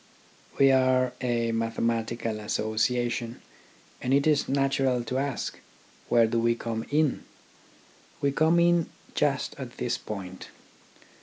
We are a Mathematical Association, and it is natural to ask : Where do we come in ? We come in just at this point.